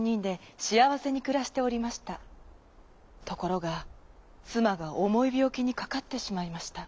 ところがつまがおもいびょうきにかかってしまいました。